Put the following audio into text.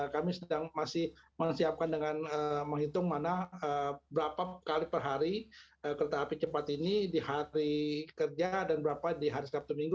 kami sedang masih menyiapkan dengan menghitung mana berapa kali per hari kereta api cepat ini di hari kerja dan berapa di hari sabtu minggu